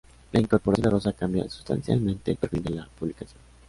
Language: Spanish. La incorporación de Rosa cambia sustancialmente el perfil de la publicación.